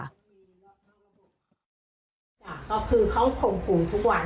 ค่ะก็คือเขาข่มขู่ทุกวัน